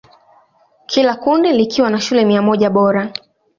Kila kundi likiwa na shule mia moja bora.